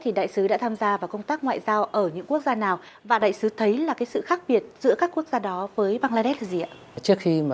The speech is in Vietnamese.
thì đầu tiên tôi có công tác tại văn phòng kinh tế văn hóa việt nam tại đài bắc